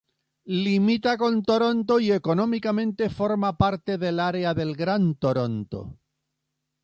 Limita con Toronto y económicamente forma parte del Área del Gran Toronto.